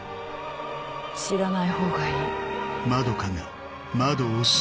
知らない方がいい。